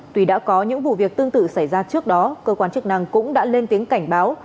tuy đã có những vụ việc tương tự xảy ra trước đó cơ quan chức năng cũng đã lên tiếng cảnh báo